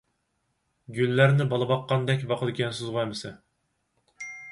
گۈللەرنى بالا باققاندەك باقىدىكەنسىزغۇ ئەمىسە.